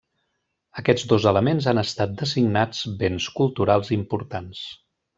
Aquests dos elements han estat designats Béns Culturals Importants.